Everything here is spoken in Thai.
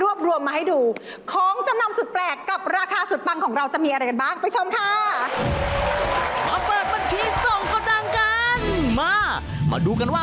โอ้ก็เวลาพี่ไปเถอะ